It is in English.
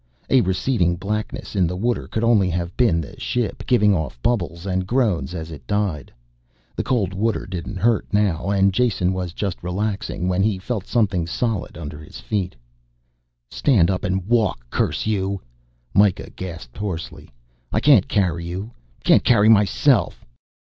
A receding blackness in the water could only have been the ship, giving off bubbles and groans as it died. The cold water didn't hurt now and Jason was just relaxing when he felt something solid under his feet. "Stand up and walk, curse you," Mikah gasped hoarsely. "I can't ... carry you ... can't carry myself...."